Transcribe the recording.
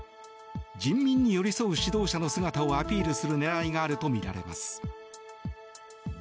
人民に寄り添う指導者の姿をアピールする狙いがあるとみられます。